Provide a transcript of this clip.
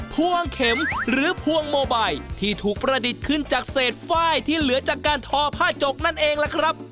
พวงเข็มหรือพวงโมไบที่ถูกประดิษฐ์ขึ้นจากเศษฝ้ายที่เหลือจากการทอผ้าจกนั่นเองล่ะครับ